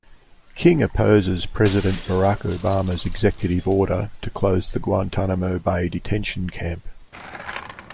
King opposes President Barack Obama's executive order to close the Guantanamo Bay detention camp.